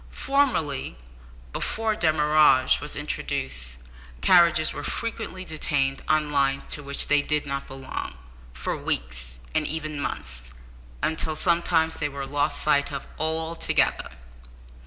Formerly, before demurrage was introduced, carriages were frequently detained on lines to which they did not belong, for weeks, and even months, until sometimes they were lost sight of altogether!